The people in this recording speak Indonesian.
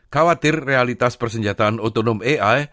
khawatir realitas persenjataan otonom ai